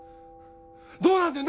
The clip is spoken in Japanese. どうなんだよ！